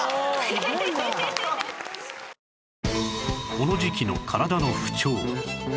この時期の体の不調